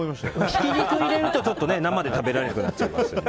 ひき肉入れると生で食べられなくなっちゃいます。